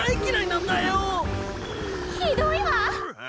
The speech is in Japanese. ・ひどいわ！